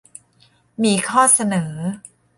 มีข้อเสนอ